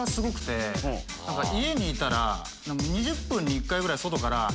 家にいたら２０分に１回ぐらい外から。